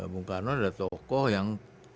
bung karno ada toko yang